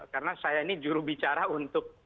karena saya ini juru bicara untuk